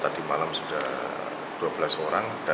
assalamualaikum wr wb